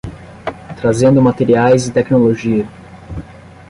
Trazendo materiais e tecnologia